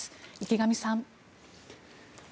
池上さん。